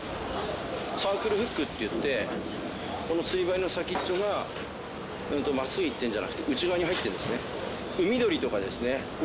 サークルフックといってこの釣り針の先っちょが真っすぐいってるんじゃなくて内側に入っているんですね。